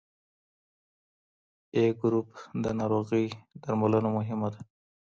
A ګروپ د ناروغۍ درملنه مهمه ده.